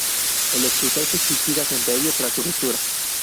El escritor se suicida frente a ella, tras su ruptura.